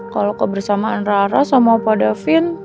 kalau kebersamaan rara sama opa davin